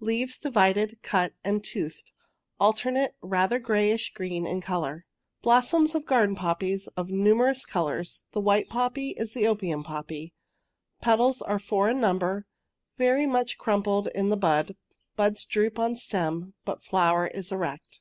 Leaves, divided, cut, and toothed— alter nate, rather grayish green in colour. Blossoms of garden poppies of numerous colours— the white poppy is the opium poppy —petals are four in number, very much crum pled in the bud— buds droop on stem, but flower is erect.